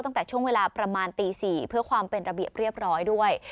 ตั้งแต่ช่วงเวลาประมาณตี๔เพื่อความเป็นระเบียบเรียบร้อยด้วย